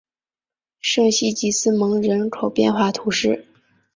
圣西吉斯蒙人口变化图示